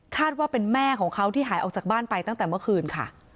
ว่าเป็นแม่ของเขาที่หายออกจากบ้านไปตั้งแต่เมื่อคืนค่ะ